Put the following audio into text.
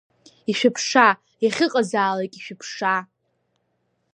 Ишәыԥшаа, иахьыҟазаалак, ишәыԥшаа…